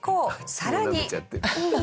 さらに。